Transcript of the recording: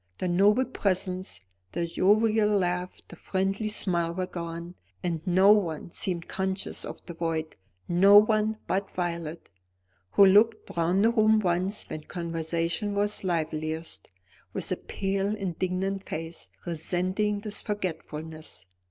The noble presence, the jovial laugh, the friendly smile were gone, and no one seemed conscious of the void no one but Violet, who looked round the room once when conversation was liveliest, with a pale indignant face, resenting this forgetfulness.